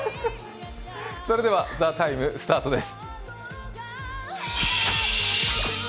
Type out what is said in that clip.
それでは「ＴＨＥＴＩＭＥ，」スタートです。